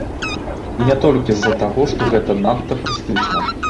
І не толькі з-за таго, што гэта надта прэстыжна.